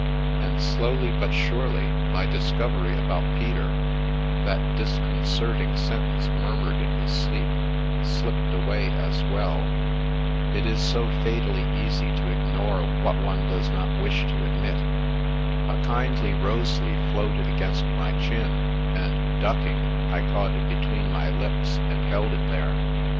And slowly but surely my discovery about Peter, that dis concerting sentence murmured in his sleep, slipped away as well — it is so fatally easy to ignore what one does not wish to admit A kindly rose leaf floated against my chin, and, ducking, I caught it between my lips and held it there.